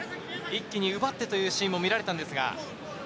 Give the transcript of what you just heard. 一気に奪ってというシーンも見られたんですが。